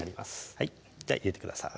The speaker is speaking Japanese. はいでは入れてください